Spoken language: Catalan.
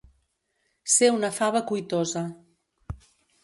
Ser una fava cuitosa.